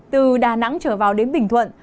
từ đà nẵng trở vào đến bình thuận